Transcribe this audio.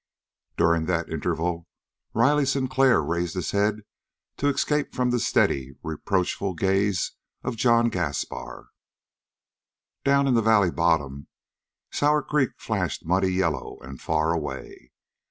During that interval, Riley Sinclair raised his head to escape from the steady, reproachful gaze of John Gaspar. Down in the valley bottom, Sour Creek flashed muddy yellow and far away.